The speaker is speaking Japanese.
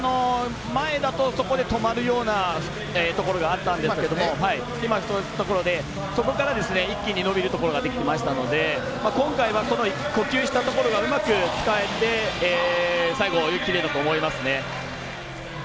前だとそこで止まるようなところがあったんですけれどもそこから一気に伸びることができたので今回は、その呼吸したところがうまく使えて最後、泳ぎきれたと思いますね。